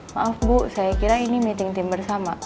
maaf bu saya kira ini meeting team bersama